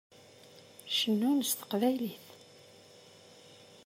Cennunt s teqbaylit.